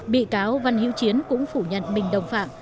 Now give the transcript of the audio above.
bị cáo văn hiễu chiến cũng phủ nhận mình đồng phạm